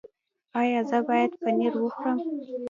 ایا زه باید پنیر وخورم؟